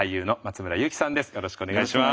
よろしくお願いします。